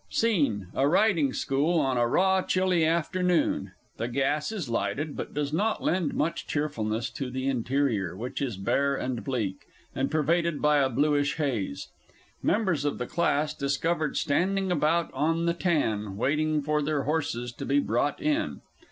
SCENE _A Riding school, on a raw chilly afternoon. The gas is lighted, but does not lend much cheerfulness to the interior, which is bare and bleak, and pervaded by a bluish haze. Members of the Class discovered standing about on the tan, waiting for their horses to be brought in.